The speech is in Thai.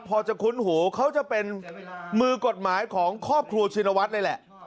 พอจะคุ้นหูเขาจะเป็นมือกฎหมายของครอบครัวชินวัฒน์เลยแหละ